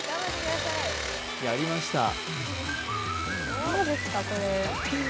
どうですか、これ？